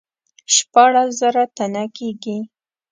شپاړس زره تنه کیږي.